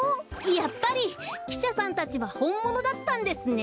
やっぱりきしゃさんたちはほんものだったんですね。